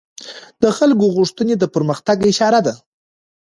د خلکو غوښتنې د پرمختګ اشاره ده